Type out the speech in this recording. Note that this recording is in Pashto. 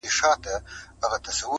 چي امیر خلک له ځانه وه شړلي-